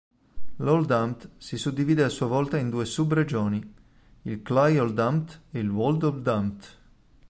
L'Oldambt si suddivide a sua volta in due sub-regioni, il Klei-Oldambt e il Wold-Oldambt.